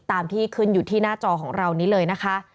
ตามที่ขึ้นอยู่ที่หน้าจอของเรานี้เลยนะคะ